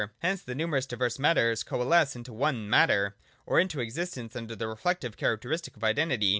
Hence the numerous diverse matters coa lesce into the one Matter, or into existence under the reflective characteristic of identity.